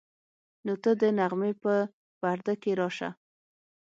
نو ته د نغمې په پرده کې راشه.